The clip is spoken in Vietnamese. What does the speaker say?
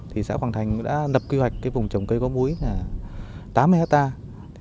thì xã quảng thành đã lập quy hoạch cái vùng trồng cây có mũi tám mươi hectare